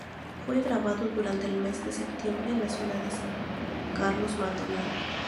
Fue grabado durante el mes de septiembre en la ciudad de San Carlos, Maldonado.